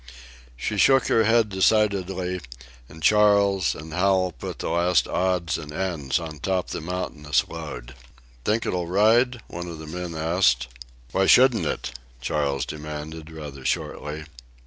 She shook her head decidedly, and Charles and Hal put the last odds and ends on top the mountainous load. "Think it'll ride?" one of the men asked. "Why shouldn't it?" Charles demanded rather shortly.